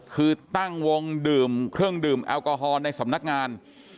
คือตั้งวงดื่มเครื่องดื่มแอลกอฮอล์ในสำนักงาน